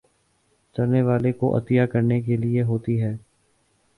چلنے والوں کوعطیہ کرنے کے لیے ہوتی ہے